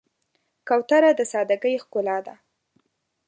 کوتره د سادګۍ ښکلا ده.